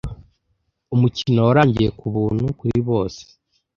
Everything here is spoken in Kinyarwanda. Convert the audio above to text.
Umukino warangiye kubuntu-kuri-bose.